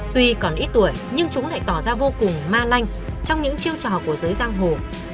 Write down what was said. tuy còn ít tuổi nhưng chúng lại tỏ ra vô cùng ma lanh trong những chiêu trò của giới giang hồ